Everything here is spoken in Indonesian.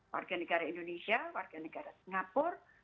warga negara indonesia warga negara singapura